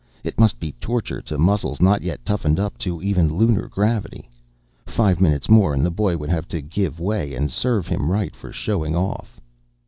It must be torture to muscles not yet toughened up to even Lunar gravity. Five minutes more and the boy would have to give way, and serve him right for showing off.